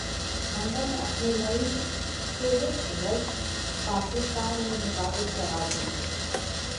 Honda نے اپنی نئی سوک رش پاکستان میں متعارف کرا دی ہے